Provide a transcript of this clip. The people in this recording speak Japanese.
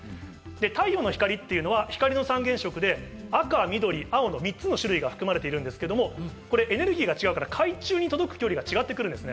太陽の光というのは光の三原色で赤・緑・青の３つの種類が含まれているんですけど、エネルギーが違うから海中に届く距離が違ってくるんです。